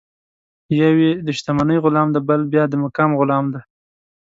یو یې د شتمنۍ غلام دی، بل بیا د مقام غلام دی.